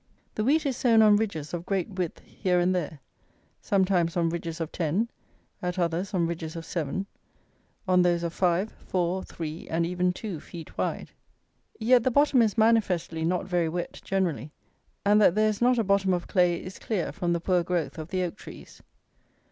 The wheat is sown on ridges of great width here and there; sometimes on ridges of ten, at others on ridges of seven, on those of five, four, three, and even two, feet wide. Yet the bottom is manifestly not very wet generally; and that there is not a bottom of clay is clear from the poor growth of the oak trees.